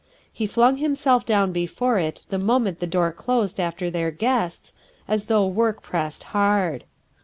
He flung himself down before it the moment the door closed after their guests, as though work pressed hard.